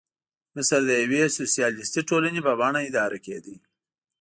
مصر د یوې سوسیالیستي ټولنې په بڼه اداره کېده.